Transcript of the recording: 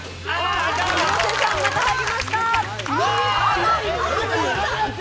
広瀬さん、また入りました。